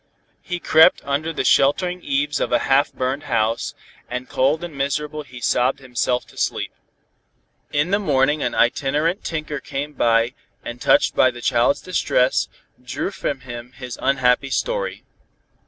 He crept under the sheltering eaves of a half burned house, and cold and miserable he sobbed himself to sleep. In the morning an itinerant tinker came by and touched by the child's distress, drew from him his unhappy story.